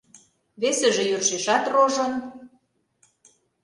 Весыже йӧршешат рожын.